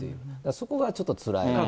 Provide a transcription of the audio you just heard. そこがちょっとつらいかなと。